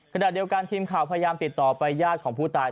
ขณะเดียวกันทีมข่าวพยายามติดต่อไปญาติของผู้ตาย